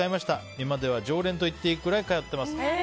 今では常連といってもいいくらい通っています。